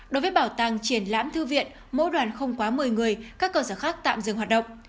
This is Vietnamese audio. đối với bảo tàng triển lãm thư viện mỗi đoàn không quá một mươi người các cơ sở khác tạm dừng hoạt động